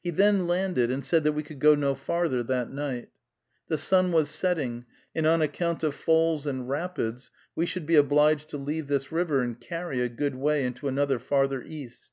He then landed, and said that we could go no farther that night. The sun was setting, and on account of falls and rapids we should be obliged to leave this river and carry a good way into another farther east.